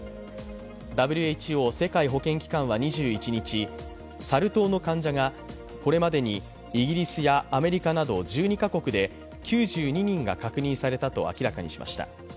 ＷＨＯ＝世界保健機関は２１日、サル痘の患者がこれまでにイギリスやアメリカなど１２カ国で９２人が確認されたと明らかにしました。